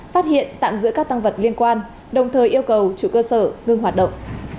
phát hiện tạm giữ các tăng vật liên quan đồng thời yêu cầu chủ cơ sở ngưng hoạt động